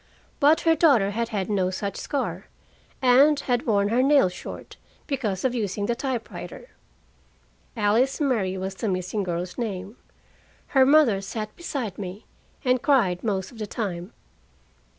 But her daughter had had no such scar, and had worn her nails short, because of using the typewriter. Alice Murray was the missing girl's name. Her mother sat beside me, and cried most of the time.